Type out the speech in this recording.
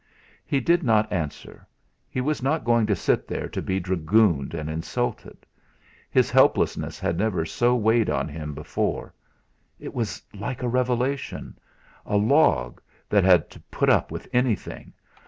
He did not answer. He was not going to sit there to be dragooned and insulted! His helplessness had never so weighed on him before. It was like a revelation. A log that had to put up with anything!